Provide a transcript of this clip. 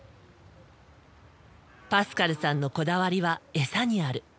パスカルさんのこだわりはエサにある。